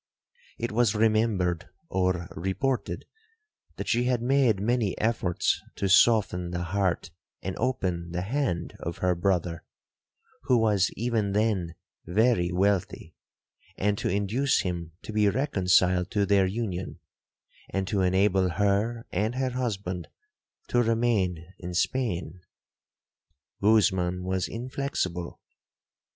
It was remembered, or reported, that she had made many efforts to soften the heart and open the hand of her brother, who was even then very wealthy, and to induce him to be reconciled to their union, and to enable her and her husband to remain in Spain. Guzman was inflexible.